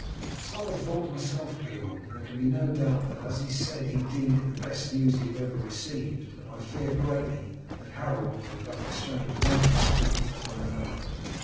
"So I thought myself, Beorn. There can be no doubt that, as he said, he deemed it the best news he had ever received, and I fear greatly that Harold will but exchange one captivity for another.